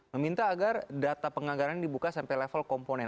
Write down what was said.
meminta agar data penganggaran dibuka sampai level komponen